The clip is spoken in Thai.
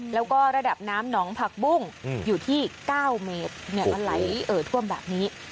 แล้วก็ระดับน้ำหนองผักบุ้งอยู่ที่๙เมตรไหลเอ่อท่วมแบบนี้